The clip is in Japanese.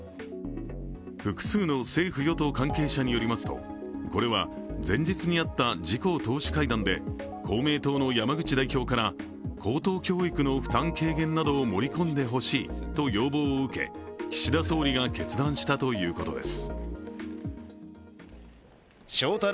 複数の政府・与党関係者によりますと、これは前日にあった自公党首会談で公明党の山口代表から高等教育の負担軽減などを盛り込んでほしいと要望を受け、岸田総理が決断したということです。